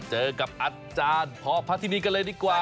เจอกับอาจารย์พอพระทินีกันเลยดีกว่า